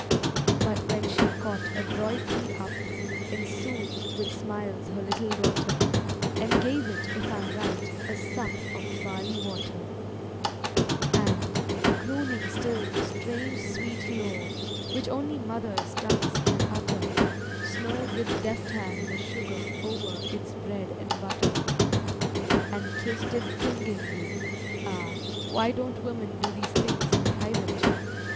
But when she caught adroitly up And soothed with smiles her little daughter; And gave it, if I'm right, a sup Of barley water; And, crooning still the strange sweet lore Which only mothers' tongues can utter, Snow'd with deft hand the sugar o'er Its bread and butter; And kiss'd it clingingly—(Ah, why Don't women do these things in private?)